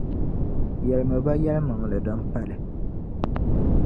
Yεlimi ba yεlimaŋli din pali.